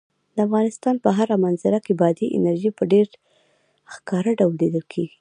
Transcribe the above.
د افغانستان په هره منظره کې بادي انرژي په ډېر ښکاره ډول لیدل کېږي.